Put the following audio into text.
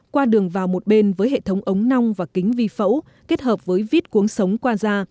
qua đường vào một bên với hệ thống ống nong và kính vi phẫu kết hợp với vít cuống sống qua da